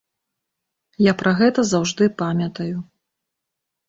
Я пра гэта заўжды памятаю.